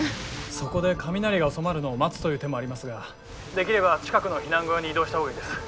そこで雷が収まるのを待つという手もありますができれば近くの避難小屋に移動した方がいいです。